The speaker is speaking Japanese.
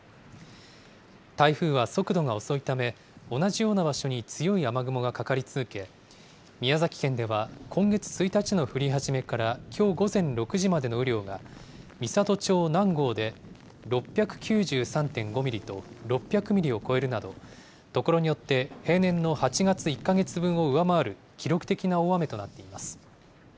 台風は速度が遅いため、同じような場所に強い雨雲がかかり続け、宮崎県では今月１日の降り始めからきょう午前６時までの雨量が、美郷町南郷で６９３．５ミリと、６００ミリを超えるなど、所によって平年の８月１か月分を上回る記録的な大雨となっています。